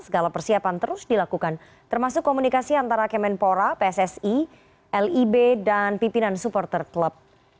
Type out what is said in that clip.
segala persiapan terus dilakukan termasuk komunikasi antara kemenpora pssi lib dan pimpinan supporter klub